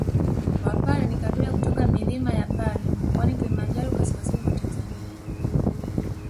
Wapare ni kabila kutoka milima ya Pare Mkoani Kilimanjaro kaskazini ya mwa Tanzania